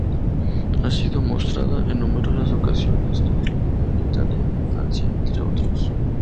Ha sido mostrada en numerosas ocasiones en Irlanda, Italia y Francia, entre otros.